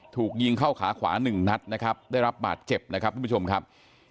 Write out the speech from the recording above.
ถูกยิงเข้าขาขวาหนึ่งนัดนะครับได้รับบาดเจ็บนะครับทุกผู้ชมครับ